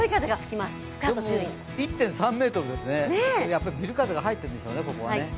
風速１．３メートルですね、ビル風が入っているんでしょうね、ここは。